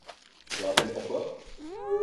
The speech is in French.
Tu te rappelles pourquoi?